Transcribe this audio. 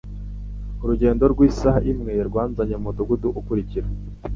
Urugendo rw'isaha imwe rwanzanye mu mudugudu ukurikira.